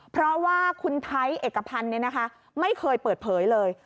เพราะว่าคุณไทยเอกพันธ์ไม่เคยเปิดเผยเลย